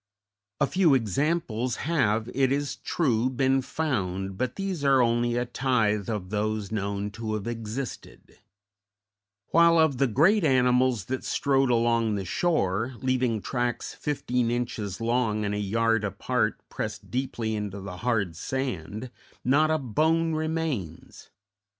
A few examples have, it is true, been found, but these are only a tithe of those known to have existed; while of the great animals that strode along the shore, leaving tracks fifteen inches long and a yard apart pressed deeply into the hard sand, not a bone remains.